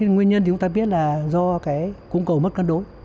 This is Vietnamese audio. nguyên nhân chúng ta biết là do cung cầu mất cân đối